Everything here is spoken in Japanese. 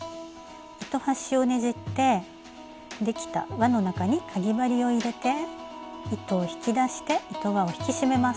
糸端をねじってできた輪の中にかぎ針を入れて糸を引き出して糸輪を引き締めます。